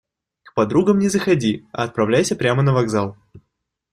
К подругам не заходи, а отправляйся прямо на вокзал.